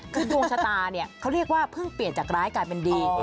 คือดวงชะตาเนี่ยเขาเรียกว่าเพิ่งเปลี่ยนจากร้ายกลายเป็นดี